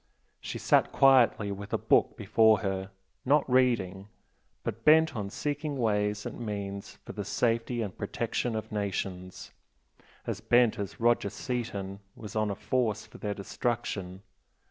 She sat quietly with a book before her, not reading, but bent on seeking ways and means for the safety and protection of nations, as bent as Roger Seaton was on a force for their destruction.